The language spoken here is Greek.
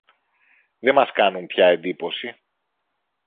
δε μας κάνουν πια εντύπωση.